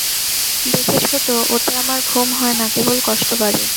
দেখেছ তো, ওতে আমার ঘুম হয় না, কেবল কষ্ট বাড়ে।